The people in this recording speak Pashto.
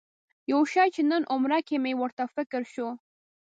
یو شي چې نن عمره کې مې ورته فکر شو.